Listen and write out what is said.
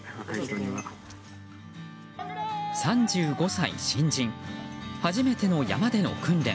３５歳新人初めての山での訓練。